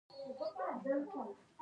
استالف کلالي مشهوره ده؟